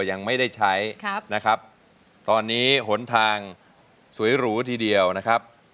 ยังไม่ได้ใช้ครับนะครับตอนนี้หนทางสวยหรูทีเดียวนะครับ